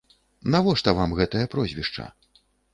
Навошта вам гэтае прозвішча?